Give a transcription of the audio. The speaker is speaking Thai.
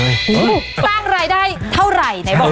สร้างรายได้เท่าไหร่ไหนบ้าง